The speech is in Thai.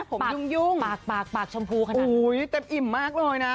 ผมยุ่งปากปากปากชมพูขนาดนี้เต็มอิ่มมากเลยนะ